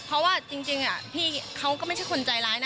เพราะว่าจริงพี่เขาก็ไม่ใช่คนใจร้ายนะ